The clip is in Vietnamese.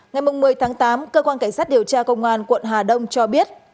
ngày một mươi tháng tám cơ quan cảnh sát điều tra công an quận hà đông cho biết